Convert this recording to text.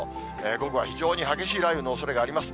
午後は非常に激しい雷雨のおそれがあります。